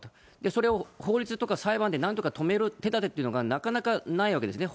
それを法律とか裁判でなんとか止める手だてっていうのがなかなかないわけですね。